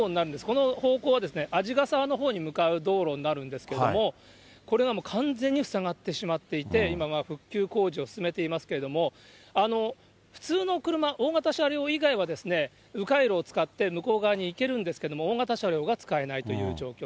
この方向は鰺ヶ沢のほうに向かう道路になるんですけれども、これがもう完全に塞がってしまっていて、今は復旧工事を進めていますけれども、普通の車、大型車両以外はう回路を使って、向こう側に行けるんですけれども、大型車両が使えないという状況。